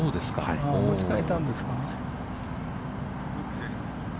持ちかえたんですか。